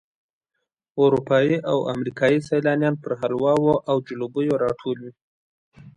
اروپایي او امریکایي سیلانیان پر حلواو او جلبیو راټول وي.